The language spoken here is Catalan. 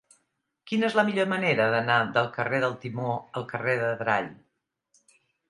Quina és la millor manera d'anar del carrer del Timó al carrer d'Adrall?